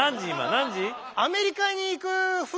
何時？